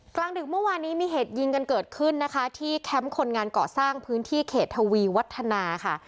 กลางดึกเมื่อวานนี้มีเหตุยิงกันเกิดขึ้นนะคะที่แคมป์คนงานเกาะสร้างพื้นที่เขตทวีวัฒนาค่ะ